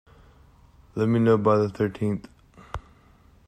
Let me know by the thirteenth.